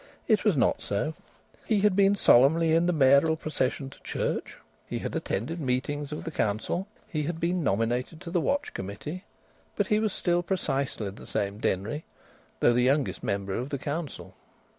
It was not so. He had been solemnly in the mayoral procession to church, he had attended meetings of the council, he had been nominated to the Watch Committee. But he was still precisely the same Denry, though the youngest member of the council.